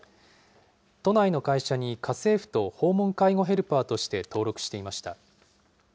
都内の会社に家政婦と訪問介護ヘルパーとして登録していました。